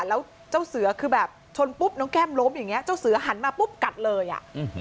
แล้วเจ้าเสือคือแบบชนปุ๊บน้องแก้มล้มอย่างเงี้เจ้าเสือหันมาปุ๊บกัดเลยอ่ะ